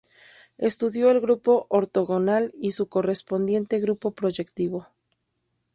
Estudió el grupo ortogonal y su correspondiente grupo proyectivo.